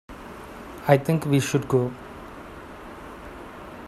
I think we should go.